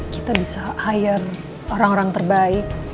kita bisa hire orang orang terbaik